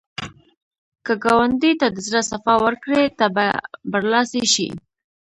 که ګاونډي ته د زړه صفا ورکړې، ته به برلاسی شې